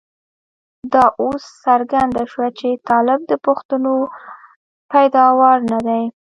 دا اوس څرګنده شوه چې طالب د پښتنو پيداوار نه دی.